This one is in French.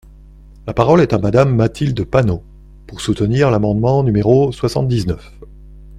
La parole est à Madame Mathilde Panot, pour soutenir l’amendement numéro soixante-dix-neuf.